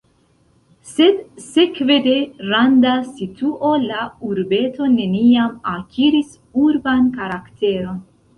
Sed sekve de randa situo la urbeto neniam akiris urban karakteron.